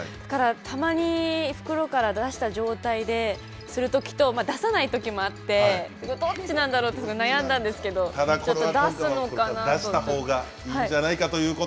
たまに袋から出した状態でするときと出さないときもあってどっちなんだろうと悩んだんですけれども島本さん